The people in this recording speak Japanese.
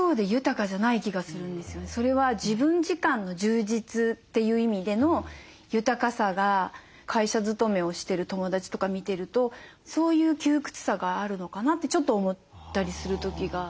それは自分時間の充実という意味での豊かさが会社勤めをしてる友達とか見てるとそういう窮屈さがあるのかなってちょっと思ったりする時が。